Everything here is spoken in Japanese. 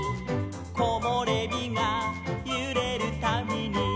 「こもれびがゆれるたびに」